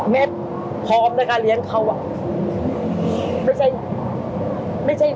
แม่พร้อมนะคะเลี้ยงเขา